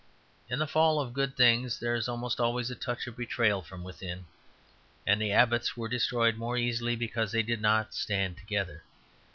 In the fall of good things there is almost always a touch of betrayal from within; and the abbots were destroyed more easily because they did not stand together.